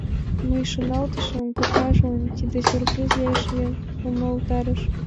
— Мый шоналтышым, кокажлан тиде... сюрприз лиеш ыле, — умылтарыш.